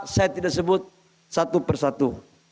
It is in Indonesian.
saya tidak sebut satu persatu